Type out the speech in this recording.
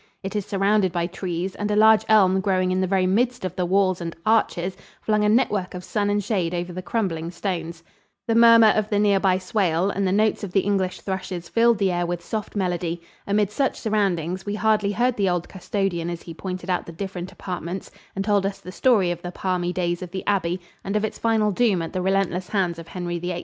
It is surrounded by trees, and a large elm growing in the very midst of the walls and arches flung a network of sun and shade over the crumbling stones. The murmur of the nearby Swale and the notes of the English thrushes filled the air with soft melody. Amid such surroundings, we hardly heard the old custodian as he pointed out the different apartments and told us the story of the palmy days of the abbey and of its final doom at the relentless hands of Henry VIII.